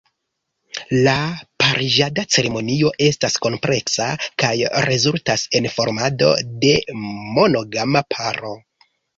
La pariĝada ceremonio estas kompleksa kaj rezultas en formado de monogama paro.